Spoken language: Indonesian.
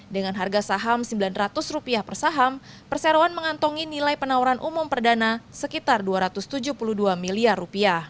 dengan harga saham rp sembilan ratus per saham perseroan mengantongi nilai penawaran umum perdana sekitar rp dua ratus tujuh puluh dua miliar